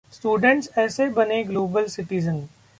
students ऐसे बने global citizen